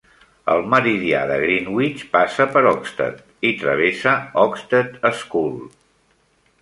El meridià de Greenwich passa per Oxted i travessa Oxted School.